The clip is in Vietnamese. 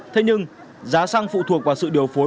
thế nhưng giá xăng phụ thuộc vào sự điều phối